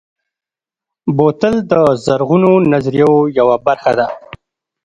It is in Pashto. بوتل د زرغونو نظریو یوه برخه ده.